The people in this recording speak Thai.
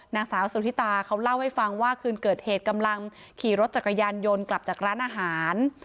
นางสาวสุธิตาเขาเล่าให้ฟังว่าคืนเกิดเหตุกำลังขี่รถจักรยานยนต์กลับจากร้านอาหาร